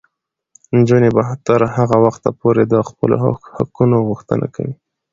نجونې به تر هغه وخته پورې د خپلو حقونو غوښتنه کوي.